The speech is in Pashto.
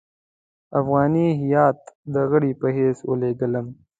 افغاني هیات د غړي په حیث ولېږلم.